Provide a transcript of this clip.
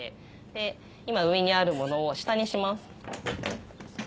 今上にあるものを下にします。